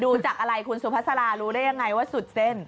ดูจากอะไรคุณสุภาษารารู้ได้ยังไงว่าสุดเส้น